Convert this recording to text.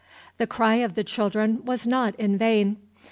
The cry of the children was not in vain.